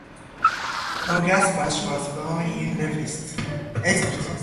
August Bach was born in Rheydt.